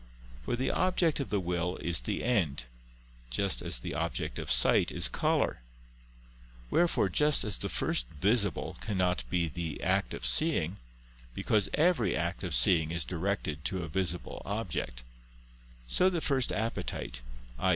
For the object of the will is the end, just as the object of sight is color: wherefore just as the first visible cannot be the act of seeing, because every act of seeing is directed to a visible object; so the first appetible, i.